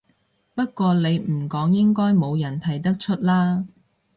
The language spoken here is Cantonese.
不過你唔講應該冇人睇得出啦